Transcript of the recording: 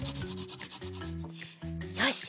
よし！